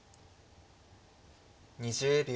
２０秒。